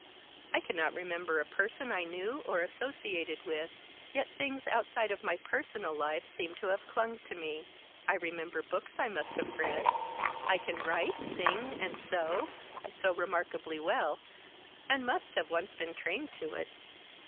I cannot remember a person I knew or associated with, yet things outside of my personal life seem to have clung to me. I remembered books I must have read; I can write, sing and sew I sew remarkably well, and must have once been trained to it.